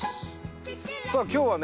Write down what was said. さあ今日はね